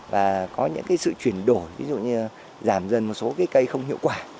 và có những sự chuyển đổi ví dụ như giảm dần một số cây không hiệu quả